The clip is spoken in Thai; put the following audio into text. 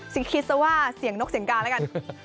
สิ่งคิดสิว่าเสียงนกเสียงกาลแล้วกัน